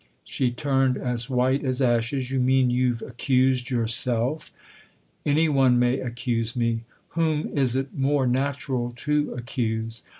She turned as white as ashes. " You mean you've accused yourself? " "Any one may accuse me. Whom is it more natural to accuse